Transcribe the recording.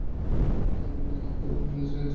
বিনয়ের হাত ধরিয়া কহিলেন, এই-যে বিনয়!